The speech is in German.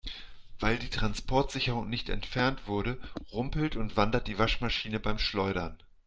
Weil die Transportsicherung nicht entfernt wurde, rumpelt und wandert die Waschmaschine beim Schleudern.